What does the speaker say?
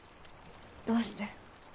どうして？